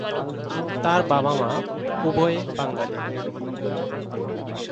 তাঁর বাবা মা উভয়েই বাঙালি।